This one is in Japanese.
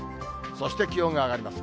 そして気温が上がります。